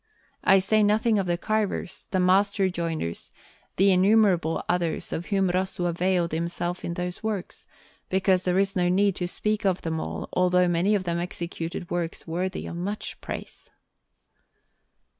I say nothing of the carvers, the master joiners, and innumerable others of whom Rosso availed himself in those works, because there is no need to speak of them all, although many of them executed works worthy of much praise.